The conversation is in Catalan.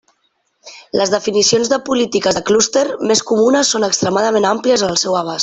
Les definicions de polítiques de clúster més comunes són extremadament àmplies en el seu abast.